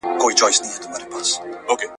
لکه سترګي چي یې ډکي سي له ژرګو `